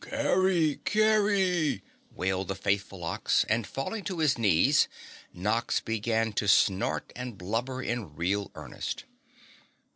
"Kerry! Kerry!" wailed the faithful Ox, and falling to his knees, Nox began to snort and blubber in real earnest.